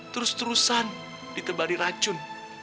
terus terusan ditebali racun